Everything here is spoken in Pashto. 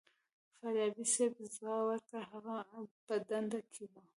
فاریابي صیب ځواب ورکړ هغه په دنده کې و.